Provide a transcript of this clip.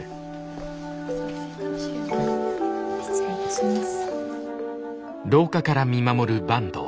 失礼いたします。